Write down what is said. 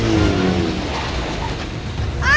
tapi uyangnya juga kasih penghampiran